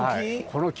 この木。